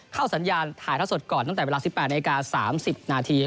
สัญญาณถ่ายท่าสดก่อนตั้งแต่เวลา๑๘นาที๓๐นาที